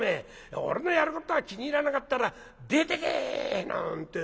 俺のやることが気に入らなかったら出てけ！』なんて